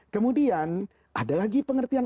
kemudian ada lagi pengertian